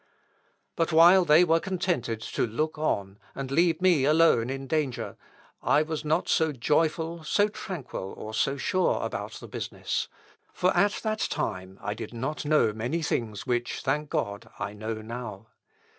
But while they were contented to look on, and leave me alone in danger, I was not so joyful, so tranquil, or so sure about the business; for at that time I did not know many things which, thank God, I know now.